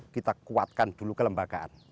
kita kuatkan dulu kelembagaan